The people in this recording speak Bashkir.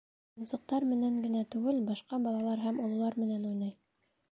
Уйынсыҡтар менән генә түгел, башҡа балалар һәм ололар менән уйнай.